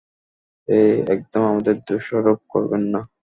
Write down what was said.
এই, একদম আমাদের দোষারোপ করবেন না।